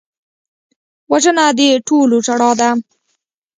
وژنه د ټولو ژړا ده